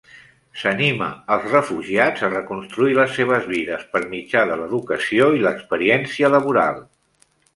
S"anima als refugiats a reconstruir les seves vides per mitjà de l"educació i l"experiència laboral.